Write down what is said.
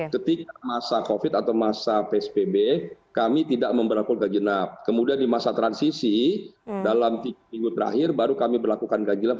ketika masa covid atau masa psbb kami tidak memperlakukan ganjinap kemudian di masa transisi dalam tiga minggu terakhir baru kami berlakukan ganjil